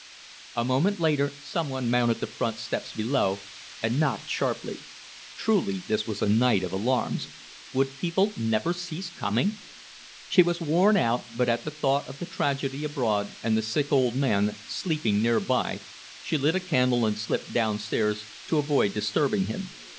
A moment later some one mounted the front steps below and knocked sharply. Truly this was a night of alarms. Would people never cease coming? She was worn out, but at the thought of the tragedy abroad and the sick old man sleeping near by, she lit a candle and slipped down stairs to avoid disturbing him.